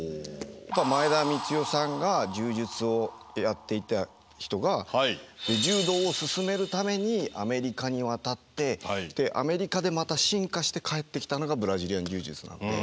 前田光世さんが柔術をやっていた人が柔道をすすめるためにアメリカに渡ってアメリカでまた進化して帰ってきたのがブラジリアン柔術なので。